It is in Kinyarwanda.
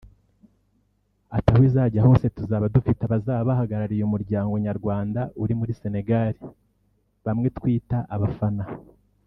Ati “Aho izajya hose tuzaba dufite abazaba bahagarariye umuryango nyarwanda uri muri Sénégal bamwe twita abafana